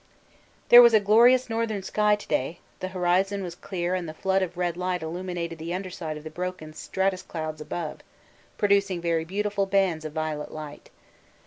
There was a glorious northern sky to day; the horizon was clear and the flood of red light illuminated the under side of the broken stratus cloud above, producing very beautiful bands of violet light.